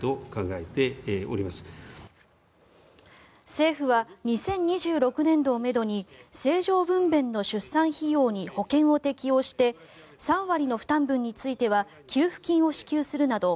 政府は２０２６年度をめどに正常分べんの出産費用に保険を適用して３割の負担分については給付金を支給するなど